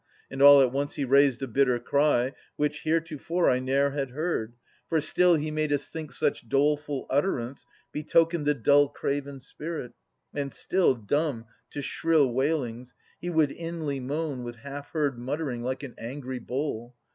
And all at once he raised a bitter cry. Which heretofore I ne'er had heard ; for still He made us think such doleful utterance Betokened the dull craven spirit, and still Dumb to shrill wailings, he would inly moan With half heard muttering, like an angry bull.